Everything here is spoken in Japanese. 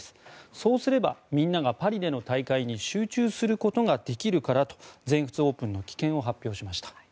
そうすれば、みんながパリでの大会に集中することができるからと全仏オープンの棄権を発表しました。